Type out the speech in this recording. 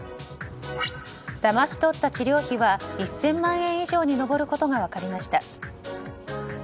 だまし取った治療費は１０００万円以上に上ることが分かりました。